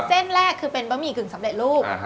เส้นแรกคือเป็นบะหมี่กึ่งสำเร็จรูป